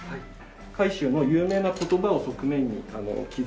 海舟の有名な言葉を側面に刻んでおります。